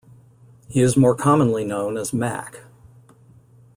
He is more commonly known as "Mac".